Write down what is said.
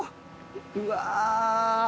うわ！